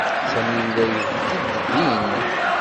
Sami yella yebded din.